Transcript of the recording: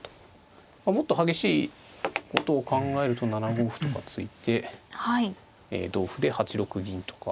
もっと激しいことを考えると７五歩とか突いて同歩で８六銀とか。